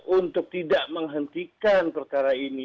untuk tidak menghentikan perkara ini